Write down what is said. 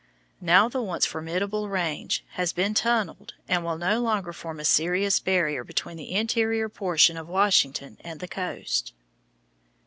Now the once formidable range has been tunnelled and will no longer form a serious barrier between the interior portion of Washington and the coast.